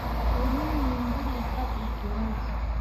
یوه نوی نیمګړی خط اختراع شو.